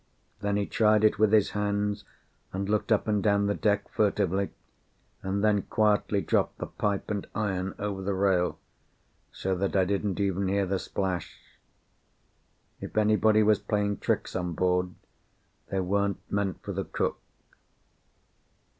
Then he tried it with his hands, and looked up and down the deck furtively, and then quietly dropped the pipe and iron over the rail, so that I didn't even hear the splash. If anybody was playing tricks on board, they weren't meant for the cook.